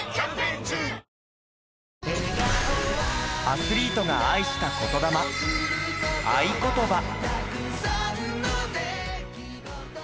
アスリートが愛した言魂『愛ことば』。